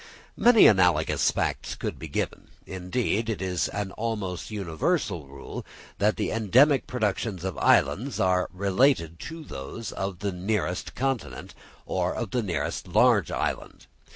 Many analogous facts could be given: indeed it is an almost universal rule that the endemic productions of islands are related to those of the nearest continent, or of the nearest large island.